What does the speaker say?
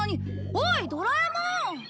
おいドラえもん！